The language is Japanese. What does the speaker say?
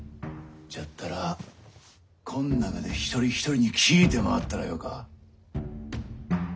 じゃったらこん中で一人一人に聞いて回ったらよか。